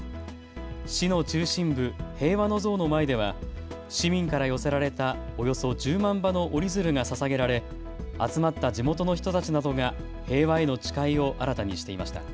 市の中心部、平和の像の前では市民から寄せられたおよそ１０万羽の折り鶴がささげられ集まった地元の人たちなどが平和への誓いを新たにしていました。